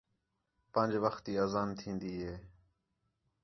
پنڄ وَخت تی اَذان تِھین٘دی ہِے